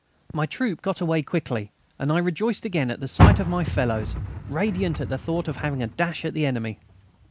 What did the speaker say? My troop got away quickly, and I rejoiced again at the sight of my fellows, radiant at the thought of having a dash at the enemy.